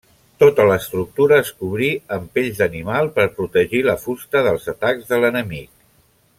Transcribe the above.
Tota l'estructura es cobrí amb pells d'animal per protegir la fusta dels atacs de l'enemic.